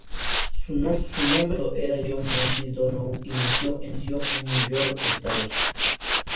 Su nombre completo era John Francis Donohue, y nació en Nueva York, Estados Unidos.